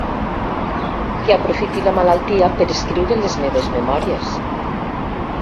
Que aprofiti la malaltia per escriure les meves memòries.